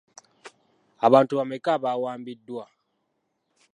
Abantu bameka abawambiddwa?